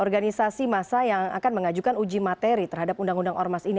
organisasi masa yang akan mengajukan uji materi terhadap undang undang ormas ini